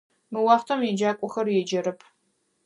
Мы уахътэм еджакӏохэр еджэрэп.